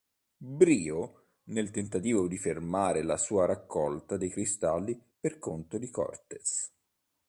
Brio, nel tentativo di fermare la sua raccolta dei cristalli per conto di Cortex.